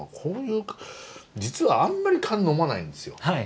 実はあんまり燗呑まないんですよ。